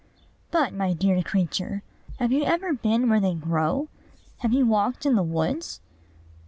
"But, my dear creature, have you ever been where they grow? Have you walked in the woods?"